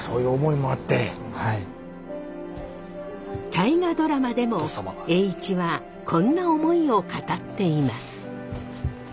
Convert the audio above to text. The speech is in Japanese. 「大河ドラマ」でも栄一はこんな思いを語っています。